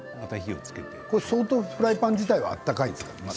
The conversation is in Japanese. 相当フライパン自体は温かいんですね。